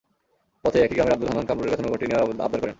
পথে একই গ্রামের আবদুল হান্নান কামরুলের কাছে নৌকাটি নেওয়ার আবদার করেন।